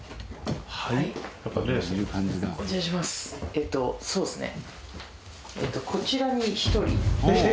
えっとそうですね。